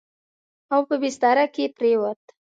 او په بستره کې پرېووت.